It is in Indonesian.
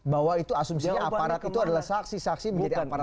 bahwa itu asumsinya aparat itu adalah saksi saksi menjadi aparat